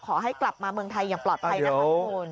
ขอให้กลับมาเมืองไทยอย่างปลอดภัยนะคะทุกคน